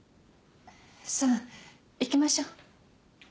さあ行きましょう。